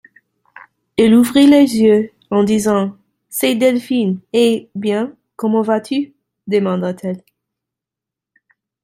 Il ouvrit les yeux en disant :, C'est Delphine ! Eh ! bien, comment vas-tu ? demanda-t-elle.